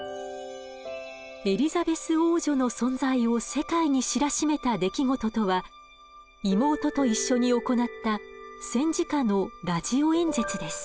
エリザベス王女の存在を世界に知らしめた出来事とは妹と一緒に行った戦時下のラジオ演説です。